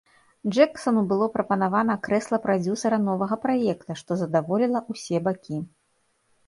Джэксану было прапанавана крэсла прадзюсара новага праекта, што задаволіла ўсе бакі.